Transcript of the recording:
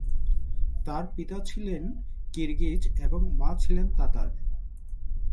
তাঁর পিতা ছিলেন কিরগিজ এবং মা ছিলেন তাতার।